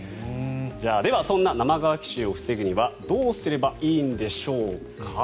では、そんな生乾き臭を防ぐにはどうすればいいんでしょうか。